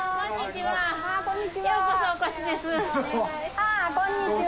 あこんにちは。